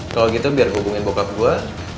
kalau gitu biar hubungin bokap gue